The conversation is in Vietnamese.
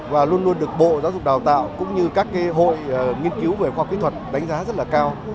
và luôn luôn được bộ giáo dục đào tạo cũng như các hội nghiên cứu về khoa học kỹ thuật đánh giá rất là cao